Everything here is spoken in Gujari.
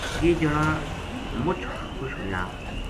یہ جنا مُچ خوش ہویا